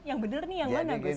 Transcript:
yang bener nih yang mana gus